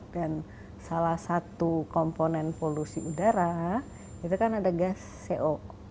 salah satu komponen polusi udara itu kan ada gas co